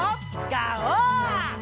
ガオー！